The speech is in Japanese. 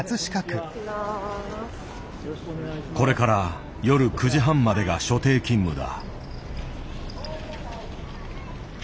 これから夜９時半までが所定勤務だ。